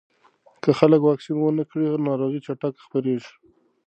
که خلک واکسین ونه کړي، ناروغي چټکه خپرېږي.